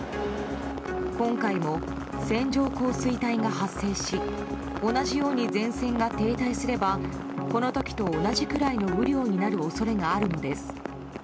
今回も、線状降水帯が発生し同じように前線が停滞すればこの時と同じくらいの雨量になる恐れがあるのです。